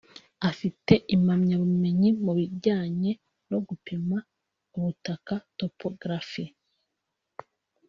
Afite impamyabumenyi mu bijyanye no gupima ubutaka (Topographie)